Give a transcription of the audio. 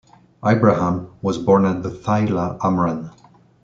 Ibraham was born at the Thila, Amran.